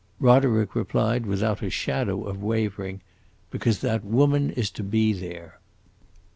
Roderick replied without a shadow of wavering, "Because that woman is to be there."